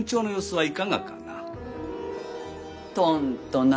はい。